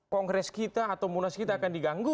kongres kita atau munas kita akan diganggu